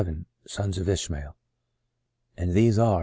VII SONS OF ISHMAEL "And these are